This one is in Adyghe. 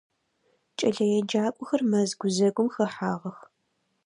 КӀэлэеджакӀохэр мэз гузэгум хэхьагъэх.